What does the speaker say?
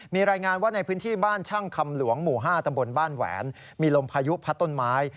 มีรายงานว่าในพื้นที่บ้านช่างคำหลวงหมู่๕ตำบลบ้านแหวนมีลมพายุพัดต้นไม้